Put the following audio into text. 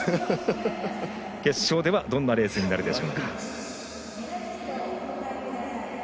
決勝ではどんなレースになるでしょうか。